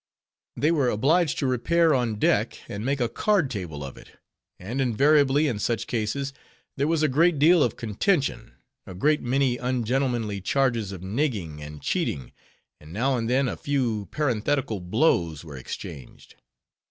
They were obliged to repair on deck, and make a card table of it; and invariably, in such cases, there was a great deal of contention, a great many ungentlemanly charges of nigging and cheating; and, now and then, a few parenthetical blows were exchanged.